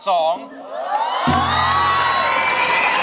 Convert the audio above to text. โอ้ว